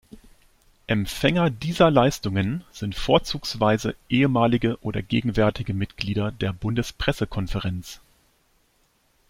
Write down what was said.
Empfänger dieser Leistungen sind vorzugsweise ehemalige oder gegenwärtige Mitglieder der Bundespressekonferenz.